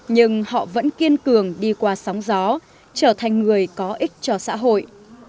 nhưng họ vẫn kiên cường đi qua sóng gió trở thành người có ích cho xã hội